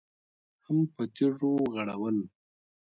هم په تيږو غړول.